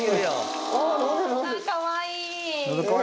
かわいい。